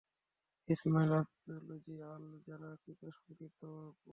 ইসমাঈল আজলূযী আল-জার্রাহ্ কৃত সংক্ষিপ্তসার।